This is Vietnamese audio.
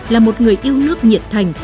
là một người yêu nước nhiện thành